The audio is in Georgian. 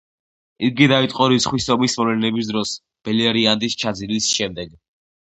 იგი დაიწყო რისხვის ომის მოვლენების დროს ბელერიანდის ჩაძირვის შემდეგ.